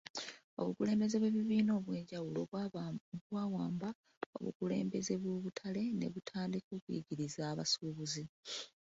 Obukulembeze bw'ebibiina ebyenjawulo bwawamba obukulembeze bw'obutale nebutandika okunyigiriza abasuubuzi